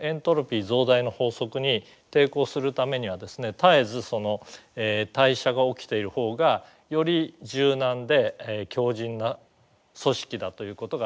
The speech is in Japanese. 絶えずその代謝が起きているほうがより柔軟で強じんな組織だということが言えます。